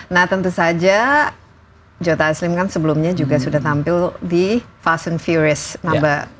nah tentu saja joe taslim kan sebelumnya juga sudah tampil di fast and furious no enam